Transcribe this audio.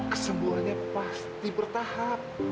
kesembuhannya pasti bertahap